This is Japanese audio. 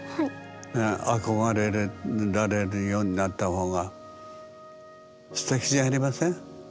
憧れられるようになった方がすてきじゃありません？